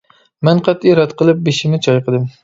مەن قەتئىي رەت قىلىپ بېشىمنى چايقىدىم.